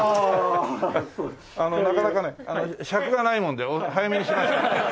なかなかね尺がないもんで早めにしました。